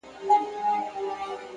هغه هم نسته جدا سوی يمه ـ